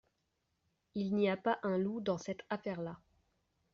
Il n’y a pas un loup dans cette affaire-là.